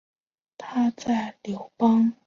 他在刘邦手下为谒者。